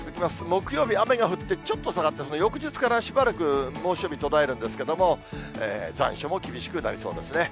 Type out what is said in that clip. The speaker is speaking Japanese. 木曜日、雨が降って、ちょっと下がって、その翌日からしばらく、猛暑日途絶えるんですけれども、残暑も厳しくなりそうですね。